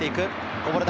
こぼれ球。